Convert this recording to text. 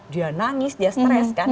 dia nangis dia stres kan